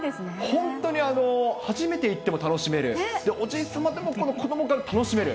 本当、初めて行っても楽しめる、おじさまでもこの子どもが楽しめる。